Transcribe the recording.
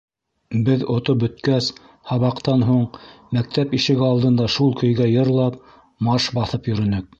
Беҙ отоп бөткәс, һабаҡтан һуң мәктәп ишеге алдында шул көйгә йырлап, марш баҫып йөрөнөк.